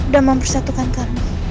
dan mempersatukan kami